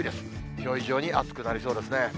きょう以上に暑くなりそうですね。